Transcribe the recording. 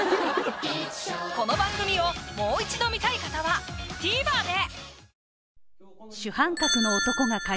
この番組をもう一度観たい方はＴＶｅｒで！